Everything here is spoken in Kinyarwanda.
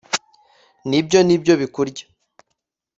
nibyo nibyo bikurya?